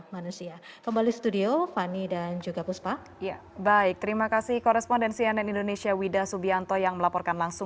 manusia kembali studio fani dan juga puspa ya baik terima kasih korespondensi ann indonesia wida subianto yang melaporkan langsung